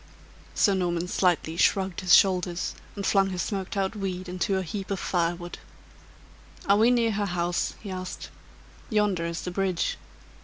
Sir Norman slightly shrugged his shoulders, and flung his smoked out weed into a heap of fire wood. "Are we near her house?" he asked. "Yonder is the bridge."